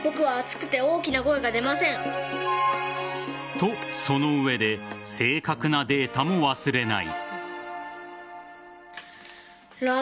と、その上で正確なデータも忘れない。